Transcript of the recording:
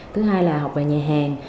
thứ hai là học về nhà hàng